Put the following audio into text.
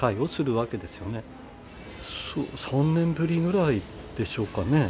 ３年ぶりぐらいでしょうかね。